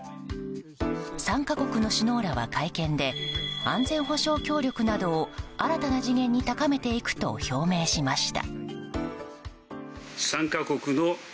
３か国の首脳らは会見で安全保障協力などを新たな次元に高めていくと表明しました。